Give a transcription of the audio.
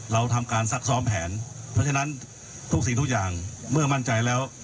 เราทำการซักซ้อมแผนเพราะฉะนั้นทุกสิ่งทุกอย่างเมื่อมั่นใจแล้ว